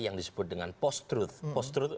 yang disebut dengan post truth